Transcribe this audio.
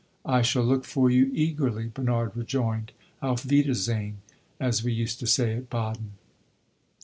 "I shall look for you eagerly," Bernard rejoined. "Auf wiedersehen, as we used to say at Baden!"